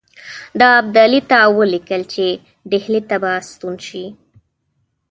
ده ابدالي ته ولیکل چې ډهلي ته به ستون شي.